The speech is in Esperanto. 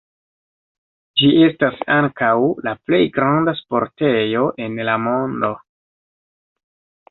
Ĝi estas ankaŭ la plej granda sportejo en la mondo.